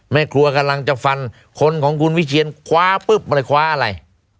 แม่ครัวกำลังจะฟันคนของคุณวิเชียนคว้าปุ๊บมันเลยคว้าอะไร